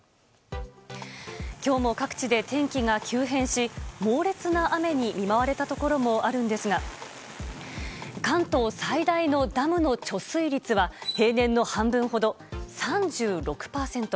今日も各地で天気が急変し猛烈な雨に見舞われたところもあるんですが関東最大のダムの貯水率は平年の半分ほど、３６％。